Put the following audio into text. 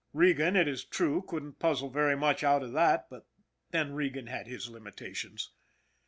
Regan, it is true, couldn't puzzle very much out of that, but then Regan had his limitations.